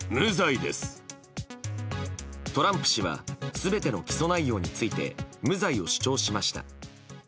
トランプ氏は全ての起訴内容について無罪を主張しました。